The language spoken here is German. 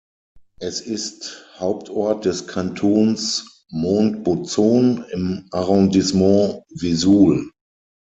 Es ist Hauptort des Kantons Montbozon im Arrondissement Vesoul.